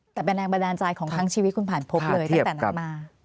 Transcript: แต่เป็นแรงบันดาลใจของทั้งชีวิตคุณผ่านพบเลยตั้งแต่นั้นมา